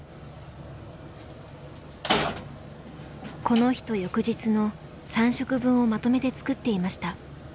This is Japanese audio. この日と翌日の３食分をまとめて作っていました。